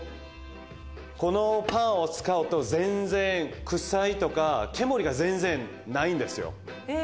このパンを使うと全然臭いとか煙が全然ないんですよ。